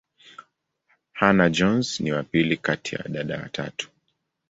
Hannah-Jones ni wa pili kati ya dada watatu.